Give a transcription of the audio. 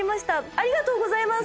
ありがとうございます！